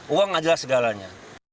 uang adalah segalanya